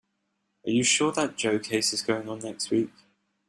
Are you sure that Joe case is going on next week?